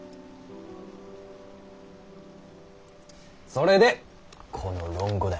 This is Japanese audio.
それでこの「論語」だ。